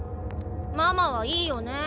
ママはいいよね。